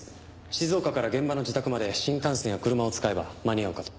静岡から現場の自宅まで新幹線や車を使えば間に合うかと。